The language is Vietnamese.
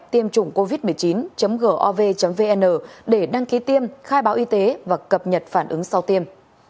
tiêm chủng covid một mươi chín gov vn để đăng ký tiêm khai báo y tế và cập nhật phản ứng sau tiêm